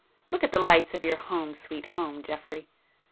Look at the lights of your 'home, sweet home' Geoffrey!"